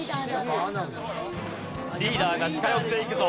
リーダーが近寄っていくぞ。